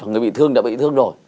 người bị thương thì đã bị thương rồi